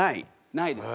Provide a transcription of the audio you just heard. ないです。